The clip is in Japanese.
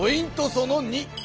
その２。